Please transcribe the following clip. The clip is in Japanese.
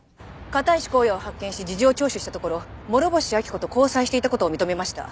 片石耕哉を発見し事情聴取したところ諸星秋子と交際していた事を認めました。